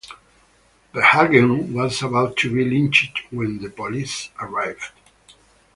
Verhagen was about to be lynched when the police arrived.